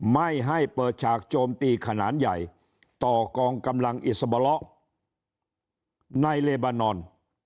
ไม่ให้เปิดฉากโจมตีขนาดใหญ่ต่อกองกำลังอิสบาเลาะในเลบานอน